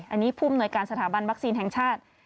อันนี้ผู้อำนวยการสถาบันวัคซีนแห่งชาติ